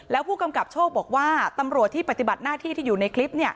แล้วผู้กำกับโชคบอกว่าตำรวจที่ปฏิบัติหน้าที่ที่อยู่ในคลิป